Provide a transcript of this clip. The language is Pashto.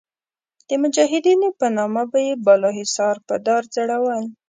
د مجاهدینو په نامه به یې بالاحصار په دار ځړول.